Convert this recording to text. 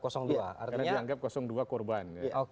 karena dianggap dua korban